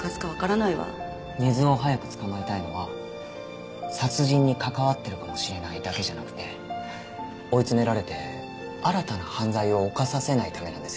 根津を早く捕まえたいのは殺人に関わってるかもしれないだけじゃなくて追い詰められて新たな犯罪を犯させないためなんですよね。